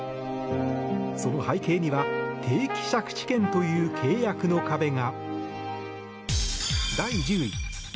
その背景には定期借地権という契約の壁が。